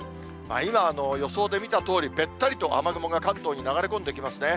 今、予想で見たとおり、べったりと雨雲が関東に流れ込んできますね。